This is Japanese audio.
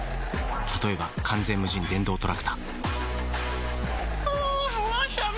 例えば完全無人電動トラクタあぁわさび。